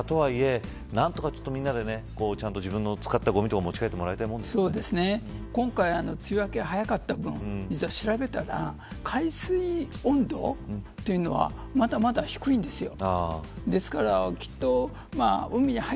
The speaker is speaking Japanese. みんなが海に集まった結果とはいえ何とか、みんなでちゃんと自分の使ったごみとか持ち帰って今回、梅雨明けが早かった分実は調べたら海水温度というのはまだまだ低いんですよ。